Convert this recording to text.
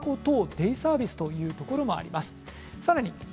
デイサービスというところもあります。